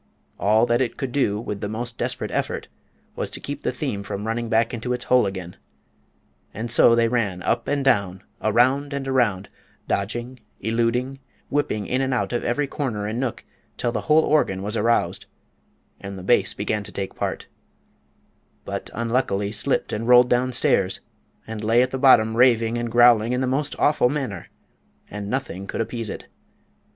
All that it could do, with the most desperate effort, was to keep the theme from running back into its hole again; and so they ran up and down, around and around, dodging, eluding, whipping in and out of every corner and nook, till the whole organ was aroused, and the bass began to take part, but unluckily slipped and rolled down stairs, and lay at the bottom raving and growling in the most awful manner, and nothing could appease it.